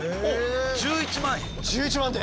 １１万で！